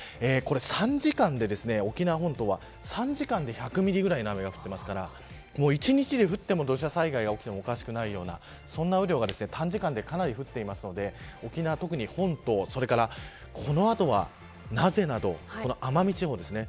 ３時間で沖縄本島は１００ミリぐらいの雨が降っていますから一日で、降っても土砂災害が起きてもおかしくないようなそんな雨量が短時間にかなり降っているので沖縄は特に本島それからこの後は名瀬など奄美地方ですね